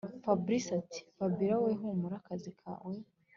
fabric ati”fabiora wowe humura akazi kawe